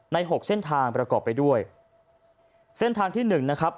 หกเส้นทางประกอบไปด้วยเส้นทางที่หนึ่งนะครับ